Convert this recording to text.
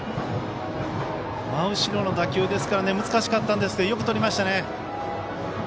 真後ろの打球でしたから難しかったんですけどよくとりましたね。